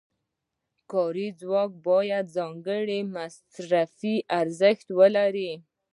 کاري ځواک هم باید ځانګړی مصرفي ارزښت ولري